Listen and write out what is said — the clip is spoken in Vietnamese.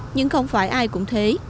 nhưng không phải ai cũng thế